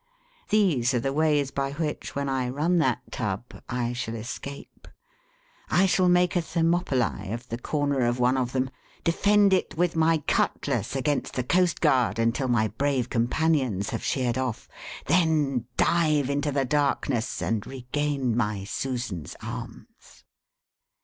These are the ways by which, when I run that tub, I shall escape. I shall make a Thermopylæ of the corner of one of them, defend it with my cutlass against the coast guard until my brave companions have sheered off, then dive into the darkness, and regain my Susan's arms.